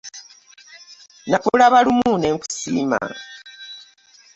Nakulaba lumu ne nkusiima.